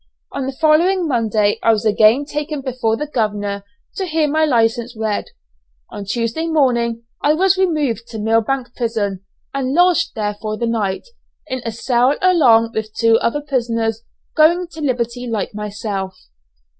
On the following Monday I was again taken before the governor to hear my license read. On Tuesday morning I was removed to Millbank Prison, and lodged there for the night, in a cell along with two other prisoners going to liberty like myself.